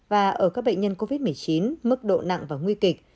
và ở các bệnh nhân covid một mươi chín mức độ nặng và nguy kịch